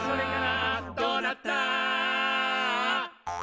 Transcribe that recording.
「どうなった？」